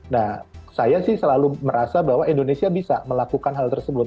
nah saya sih selalu merasa bahwa indonesia bisa melakukan hal tersebut